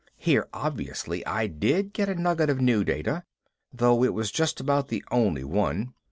Here obviously I did get a nugget of new data, though it was just about the only one.